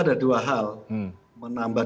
ada dua hal menambah